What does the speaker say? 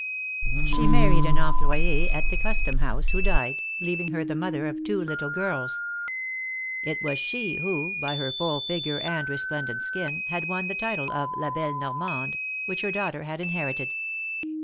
She married an employ 6 at the Custom House, who died, leaving her the mother of two little girls. It was she, who, by her full figure and resplendent skin, had won the title of ^^La belle Normande," which her daughter had inherited.